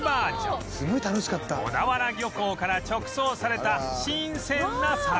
小田原漁港から直送された新鮮な魚